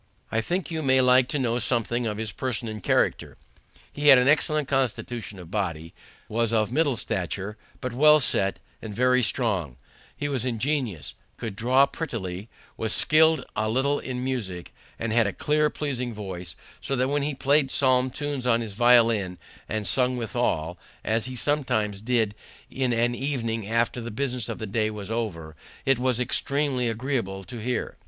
I think you may like to know something of his person and character. He had an excellent constitution of body, was of middle stature, but well set, and very strong; he was ingenious, could draw prettily, was skilled a little in music, and had a clear, pleasing voice, so that when he played psalm tunes on his violin and sung withal, as he sometimes did in an evening after the business of the day was over, it was extremely agreeable to hear.